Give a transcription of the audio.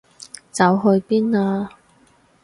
走去邊啊？